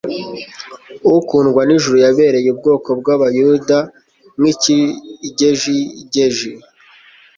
Ukundwa n'ijuru yabereye ubwoko bw'Abayuda "nk'ikigejigeji,